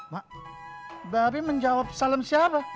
mak bari menjawab salam siapa